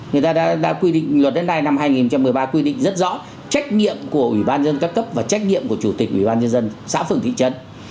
người ta đã quy định luật đất đai năm hai nghìn một mươi ba quy định rất rõ trách nhiệm của ủy ban dân các cấp và trách nhiệm của chủ tịch ủy ban nhân dân xã phường thị trấn